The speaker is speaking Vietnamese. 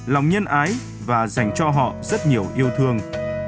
lòng nhân ái và dành cho họ rất nhiều yêu thương